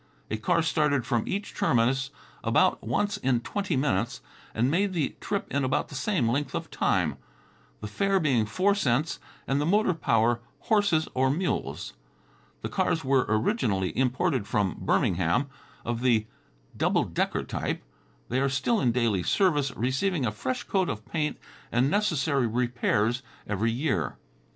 A car started from each terminus about once in twenty minutes and made the trip in about the same length of time, the fare being four cents and the motor power horses or mules. The cars were originally imported from Birmingham, of the double decker type. They are still in daily service, receiving a fresh coat of paint and necessary repairs every year.